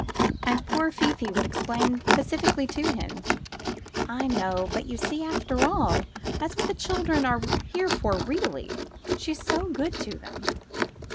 And poor Fifi would explain pacifically to him: "I know, but you see, after all, that's what the chil dren are here for really, and she's so good to them!"